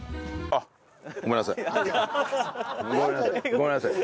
ごめんなさい。